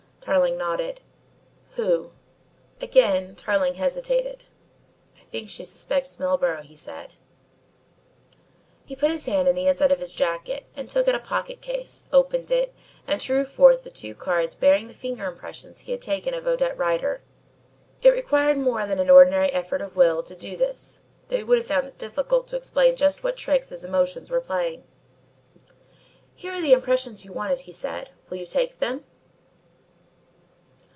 Tarling nodded. "Who?" Again Tarling hesitated. "I think she suspects Milburgh," he said. He put his hand in the inside of his jacket and took out a pocket case, opened it, and drew forth the two cards bearing the finger impressions he had taken of Odette Rider. It required more than an ordinary effort of will to do this, though he would have found it difficult to explain just what tricks his emotions were playing. "Here are the impressions you wanted," he said. "Will you take them?"